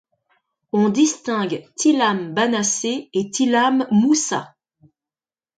On distingue Tilam Banasset et Tilam Moussa.